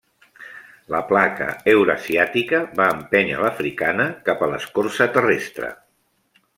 La placa eurasiàtica va empènyer l'africana cap a l'escorça terrestre.